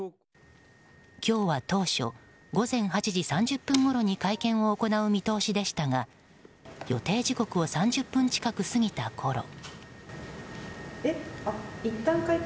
今日は当初午前８時３０分ごろに会見を行う見通しでしたが予定時刻を３０分近く過ぎたころ。